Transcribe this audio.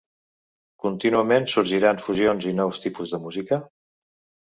Contínuament sorgiran fusions i nous tipus de música?